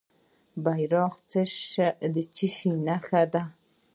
بیرغ د څه شي نښه ده؟